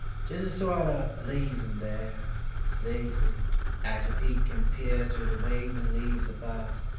Jes' a sort o' laze in' there — S' lazy, 'at you peek and peer Through the waviif leaves above.